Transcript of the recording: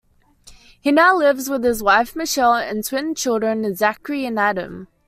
He now lives with his wife, Michele, and twin children, Zachary and Adam.